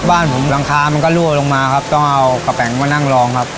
บ้านผมรองคามันก็รั่วลงมาต้องเอาแก๊ปแปหนว่านั่งรองครับ